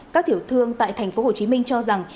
các thiểu thương tại tp hcm cho rằng